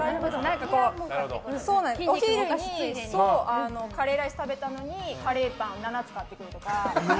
お昼にカレーライス食べたのにカレーパンを７つ買ってくるとか。